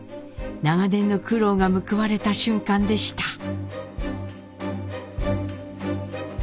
長年の苦労が報われた瞬間でした。